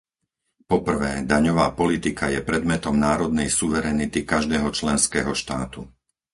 Po prvé, daňová politika je predmetom národnej suverenity každého členského štátu.